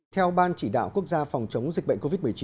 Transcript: theo ban chỉ đạo quốc gia phòng chống dịch bệnh covid một mươi chín